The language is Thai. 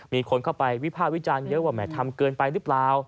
มีคนเข้าไปวิภาควิจารณ์เยอะว่าแหมทำเกินไปหรือเปล่า